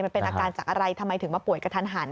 มันเป็นอาการจากอะไรทำไมถึงมาป่วยกระทันหัน